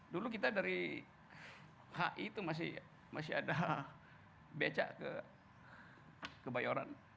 dulu kita dari hi itu masih ada becak kebayoran